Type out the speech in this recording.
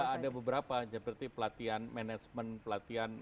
ya ada beberapa seperti pelatihan management pelatihan untuk apa namanya